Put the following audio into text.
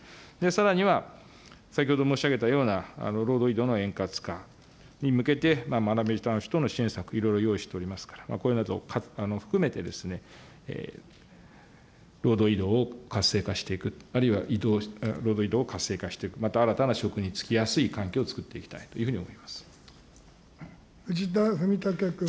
さらには、先ほど申し上げたような労働移動の円滑化に向けて、学び直し等の支援策、いろいろ用意しておりますから、こういうものを含めて、労働移動を活性化していく、あるいは労働移動を活性化していく、また新たな職に就きやすい環境をつくっていきたいというふうに思藤田文武君。